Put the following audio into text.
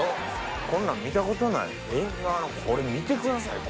こんなん見たことないエンガワのこれ見てくださいこれ。